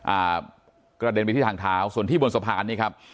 อ่ากระเด็นไปที่ทางเท้าส่วนที่บนสะพานนี่ครับ